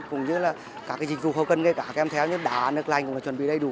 cũng như là các dịch vụ hậu cần nghề cá kèm theo như đá nước lành cũng phải chuẩn bị đầy đủ